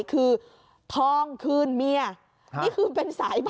ก็ต้องคืนเมียไป